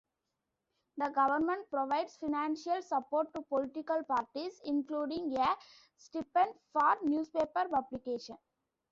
The government provides financial support to political parties, including a stipend for newspaper publication.